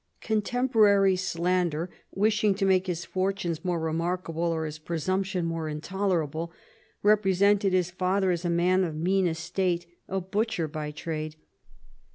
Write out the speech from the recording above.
Contemporary slander, wishing to make his fortunes more remarkable or his presumption more intolerable, represented his father as a man of mean estate, a butcher by trade.